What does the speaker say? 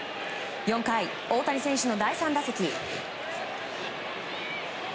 ４回、大谷選手の第３打席。